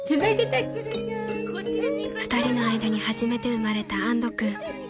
［２人の間に初めて生まれた安土君］